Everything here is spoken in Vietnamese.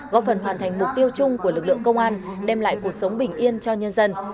góp phần hoàn thành mục tiêu chung của lực lượng công an đem lại cuộc sống bình yên cho nhân dân